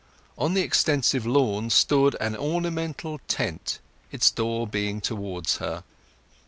On the extensive lawn stood an ornamental tent, its door being towards her.